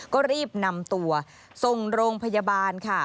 ก็รีบนำตัวส่งโรงพยาบาลค่ะ